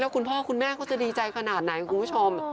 คุณพ่อคุณแม่เขาจะดีใจขนาดไหนคุณผู้ชม